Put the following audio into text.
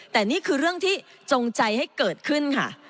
แต่นี่คือเรื่องที่จงใจให้เกิดขึ้นค่ะ